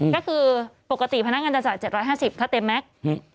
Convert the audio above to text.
ก็คือปกติพนักงานจะจ่าย๗๕๐ถ้าเต็มแม็กซ์